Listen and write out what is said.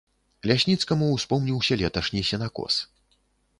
Лясніцкаму ўспомніўся леташні сенакос.